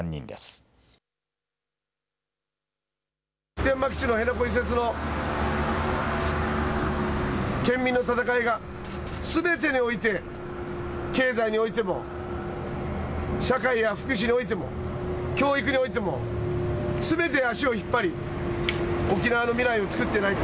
普天間基地の辺野古移設の県民の闘いがすべてにおいて、経済においても社会や福祉においても教育においてもすべて足を引っ張り沖縄の未来をつくってない。